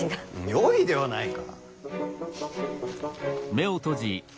よいではないか！